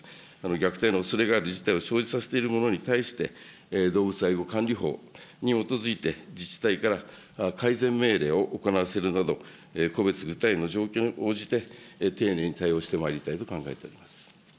虐待のおそれがそういう事態を生じさせているものに対して、動物愛護管理法に基づいて、自治体から改善命令を行わせるなど、個別具体の状況に応じて、丁寧に対応してまいりたいと考えております。